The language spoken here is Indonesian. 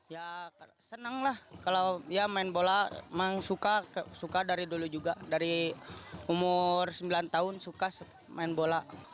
ya senang lah kalau dia main bola memang suka dari dulu juga dari umur sembilan tahun suka main bola